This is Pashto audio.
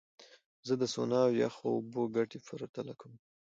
زه د سونا او یخو اوبو ګټې پرتله کوم.